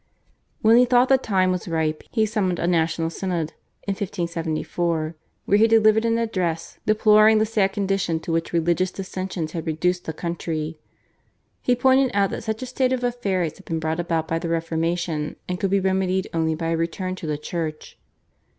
When he thought the time was ripe he summoned a National Synod in 1574, where he delivered an address deploring the sad condition to which religious dissensions had reduced the country. He pointed out that such a state of affairs had been brought about by the Reformation and could be remedied only by a return to the Church.